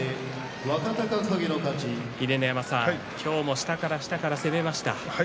秀ノ山さん、今日も下から下から攻めました。